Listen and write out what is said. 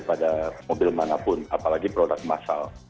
pada mobil manapun apalagi produk massal